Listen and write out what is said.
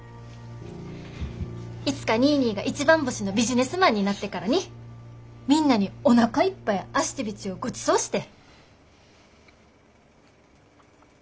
いつかニーニーが一番星のビジネスマンになってからにみんなにおなかいっぱい足てびちをごちそうして！